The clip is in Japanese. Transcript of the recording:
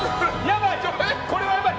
これはやばい！